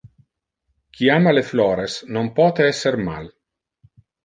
Qui ama le flores non pote esser mal.